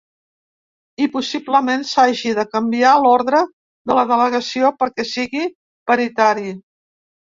I possiblement s’hagi de canviar l’ordre de la delegació perquè sigui paritari.